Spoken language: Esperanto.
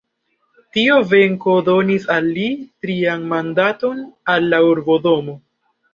Tiu venko donis al li trian mandaton al la urbodomo.